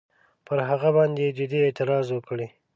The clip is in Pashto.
پر هغه باندي جدي اعتراض وکړي.